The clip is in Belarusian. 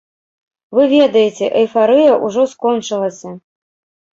Вы ведаеце, эйфарыя ўжо скончылася.